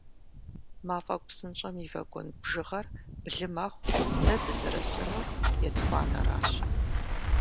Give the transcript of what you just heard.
Мафӏэгу псынщӏэм и вагон бжьыгъэр блы мэхъу, дэ дызэрысынур етхуанэращ.